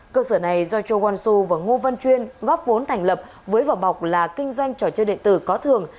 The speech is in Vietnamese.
cơ sở này do châu wansu và ngô văn chuyên góp vốn thành lập với vỏ bọc là kinh doanh trò chơi đệ tử có thường